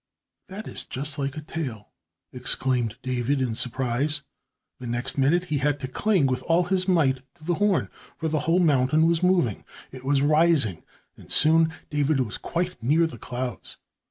"That is just like a tail," exclaimed David in surprise. The next minute he had to cling with all his might to the horn, for the whole mountain was moving. It was rising, and soon David was quite near the clouds.